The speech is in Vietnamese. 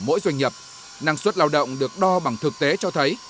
mỗi doanh nghiệp năng suất lao động được đo bằng thực tế cho thấy